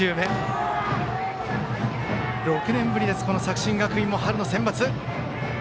６年ぶりです、作新学院春のセンバツ。